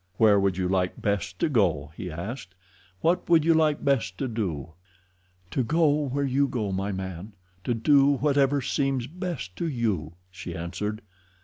"Where would you like best to go?" he asked. "What would you like best to do?" "To go where you go, my man; to do whatever seems best to you," she answered.